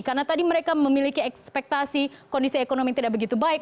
karena tadi mereka memiliki ekspektasi kondisi ekonomi tidak begitu baik